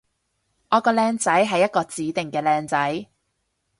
我個靚仔係一個指定嘅靚仔